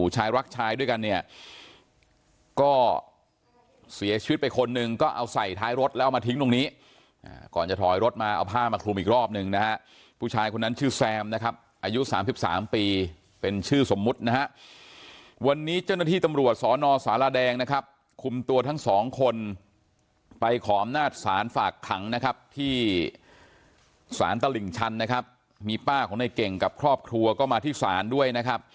ชายรักชายด้วยกันเนี่ยก็เสียชีวิตไปคนหนึ่งก็เอาใส่ท้ายรถแล้วเอามาทิ้งตรงนี้ก่อนจะถอยรถมาเอาผ้ามาคลุมอีกรอบหนึ่งนะฮะผู้ชายคนนั้นชื่อแซมนะครับอายุ๓๓ปีเป็นชื่อสมมุตินะฮะวันนี้เจ้าหน้าที่ตำรวจสอนอสารแดงนะครับคุมตัวทั้งสองคนไปขออำนาจศาลฝากขังนะครับที่สารตลิ่งชันนะครับมีป้าของในเก่งกับครอบครัวก็มาที่ศาลด้วยนะครับ